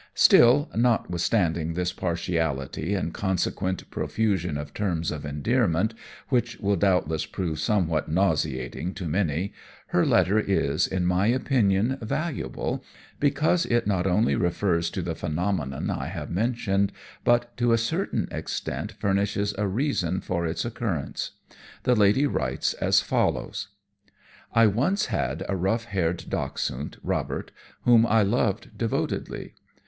Still, notwithstanding this partiality, and consequent profusion of terms of endearment, which will doubtless prove somewhat nauseating to many, her letter is, in my opinion, valuable, because it not only refers to the phenomenon I have mentioned, but to a certain extent furnishes a reason for its occurrence. The lady writes as follows: "I once had a rough haired dachshund, Robert, whom I loved devotedly.